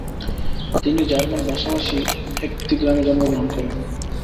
তিনি জার্মান ভাষাভাষী একতি গ্রামে জন্মগ্রহণ করেন।